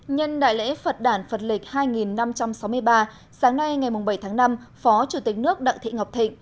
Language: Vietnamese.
nhân đại lễ phật đàn phật lịch hai năm trăm sáu mươi ba sáng nay ngày bảy tháng năm phó chủ tịch nước đặng thị ngọc thịnh